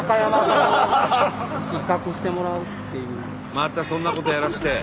またそんなことやらせて。